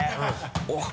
おっ。